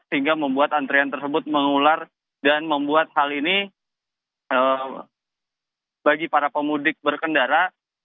sehingga membuat antrian tersebut mengular dan membuat hal ini bagi para pemudik berkendara